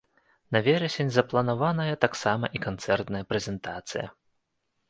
На верасень запланаваная таксама і канцэртная прэзентацыя.